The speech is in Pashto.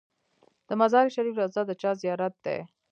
د مزار شریف روضه د چا زیارت دی؟